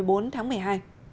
tiếp nối chương trình